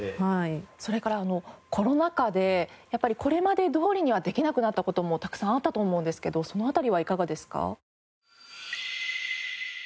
それからコロナ禍でやっぱりこれまでどおりにはできなくなった事もたくさんあったと思うんですけどその辺りはいかがですか？